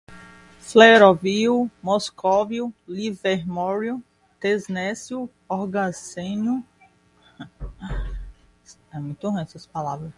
fleróvio, moscóvio, livermório, tenessino, oganessônio, lantânio, cério, praseodímio, neodímio